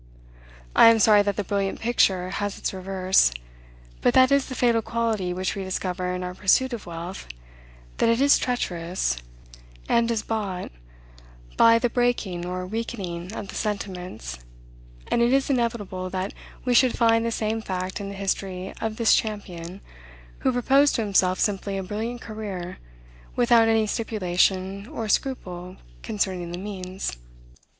I am sorry that the brilliant picture has its reverse. But that is the fatal quality which we discover in our pursuit of wealth, that it is treacherous, and is bought by the breaking or weakening of the sentiments; and it is inevitable that we should find the same fact in the history of this champion, who proposed to himself simply a brilliant career, without any stipulation or scruple concerning the means.